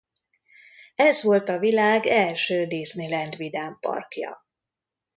Ez volt a világ első Disneyland vidámparkja.